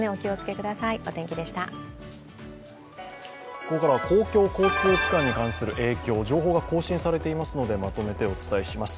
ここからは公共交通機関に関する影響、情報が更新されていますので、まとめてお伝えします。